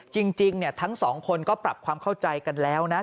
จริงทั้งสองคนก็ปรับความเข้าใจกันแล้วนะ